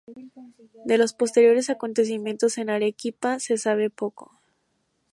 De los posteriores acontecimientos en Arequipa se sabe poco.